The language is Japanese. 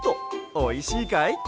おいしいかい？